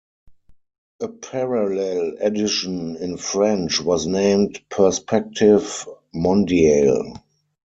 A parallel edition in French was named "Perspective mondiale".